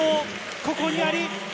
ここにあり。